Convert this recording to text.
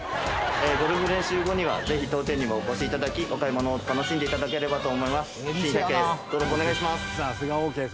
ゴルフ練習後にはぜひ当店にもお越し頂きお買い物を楽しんで頂ければと思います。